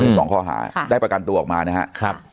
สองข้อหาได้ประกันตัวออกมานะครับ